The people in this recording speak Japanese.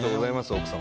奥様